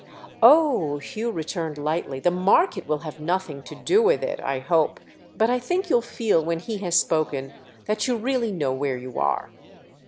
"Oh," Hugh returned lightly, "the market will have nothing to do with it, I hope; but I think you'll feel when he has spoken that you really know where you are."